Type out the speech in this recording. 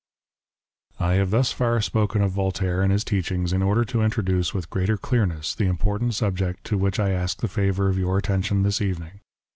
I have thus far spoken of Voltaire and his teachings in order to introduce with greater clearness the important subject to which I ask the favour of your attention this evening.